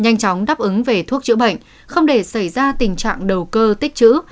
nhanh chóng đáp ứng về thuốc chữa bệnh không để xảy ra tình trạng đầu cơ tích chữ